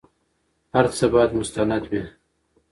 هر څه بايد مستند وي.